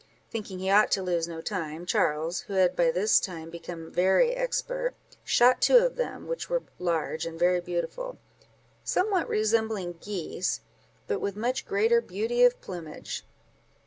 Thinking he ought to lose no time, Charles, who had by this time become very expert, shot two of them, which were large, and very beautiful, somewhat resembling geese, but with much greater beauty of plumage.